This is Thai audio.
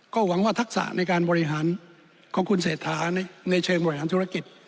ก็หวังว่าทักษะในการบริหารของคุณเศรษฐาในเชิงบริหารธุรกิจ